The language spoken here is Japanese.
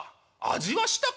「味はしたか？